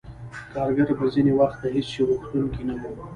کارګر به ځینې وخت د هېڅ شي غوښتونکی نه وو